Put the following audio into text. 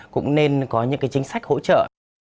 cũng nên có những chính sách hỗ trợ